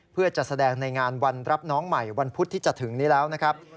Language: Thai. เพื่อจะแสดงในงานวันรับน้องใหม่วันพุธที่จะถึงนี้แล้วนะครับ